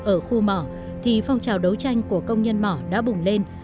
ở khu mỏ thì phong trào đấu tranh của công nhân mỏ đã bùng lên